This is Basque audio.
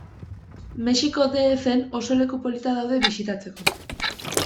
Mexiko de efen oso leku politak daude bisitatzeko.